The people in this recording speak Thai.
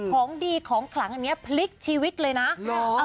ของดีของครั้งนี้พลิกชีวิตเลยนะหรอ